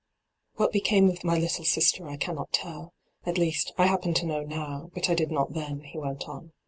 ' What became of my little sister I cannot tell — at least, I happen to know now, but I did not then,' he went on.